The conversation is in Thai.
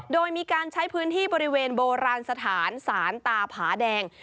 โดยมีการใช้พื้นที่บริเวณโบราณสถานศาลตาผาแดง